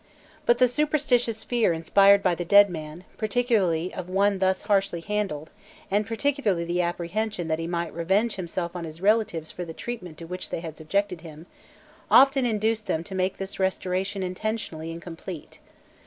But the superstitious fear inspired by the dead man, particularly of one thus harshly handled, and particularly the apprehension that he might revenge himself on his relatives for the treatment to which they had subjected him, often induced them to make this restoration intentionally incomplete.